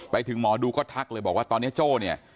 ไปถึงหมอดูก็ทักเลยบอกว่าตอนนี้โจ้เนี่ย